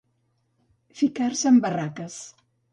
Ficar-se en barraques.